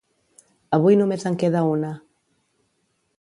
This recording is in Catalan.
Avui només en queda una.